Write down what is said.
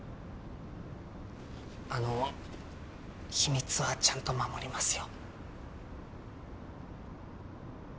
あの秘密はちゃんと守りますよ。